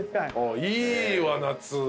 いいわ夏。